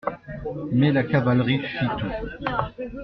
Mais la cavalerie fit tout.